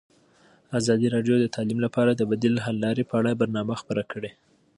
ازادي راډیو د تعلیم لپاره د بدیل حل لارې په اړه برنامه خپاره کړې.